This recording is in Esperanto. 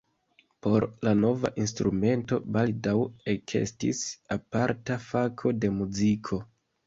Por la nova instrumento baldaŭ ekestis aparta fako de muziko.